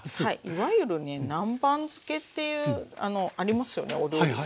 いわゆるね南蛮漬けっていうありますよねお料理で。